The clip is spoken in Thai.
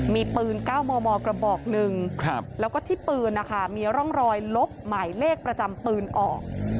มีปืน๙มมกระบอกหนึ่งแล้วก็ที่ปืนนะคะมีร่องรอยลบหมายเลขประจำปืนออก